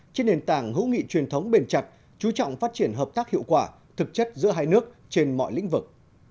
trên nền tảng hữu nghị truyền thống bền chặt chú trọng phát triển hợp tác hiệu quả thực chất giữa hai nước trên mọi lĩnh vực